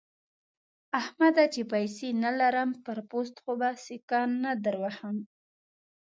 احمده! چې پيسې نه لرم؛ پر پوست خو به سکه نه دروهم.